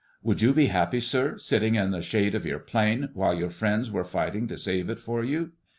Would you be happy, sir, sitting in the shade of your plane while your friends were fighting to save it for you?"